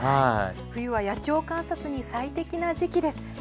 冬は野鳥観察に最適な時期です。